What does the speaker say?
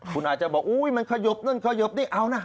คุณอาจจะบอกอุ๊ยมันขยบนู่นขยบนี่เอานะ